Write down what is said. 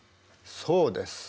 そうです。